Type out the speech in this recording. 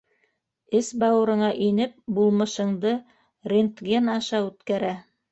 Эс-бауырыңа инеп, булмышыңды рентген аша үткәрә.